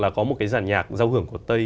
là có một cái giàn nhạc giao hưởng của tây